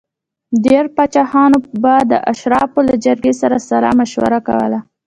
ډېری پاچاهانو به د اشرافو له جرګې سره سلا مشوره کوله.